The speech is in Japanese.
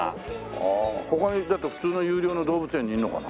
ああ他にあと普通の有料の動物園にいるのかな？